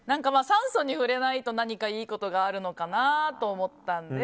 酸素に触れないと何かいいことがあるのかなと思ったので。